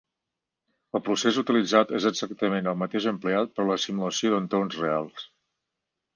El procés utilitzat és exactament el mateix empleat per a la simulació d'entorns reals.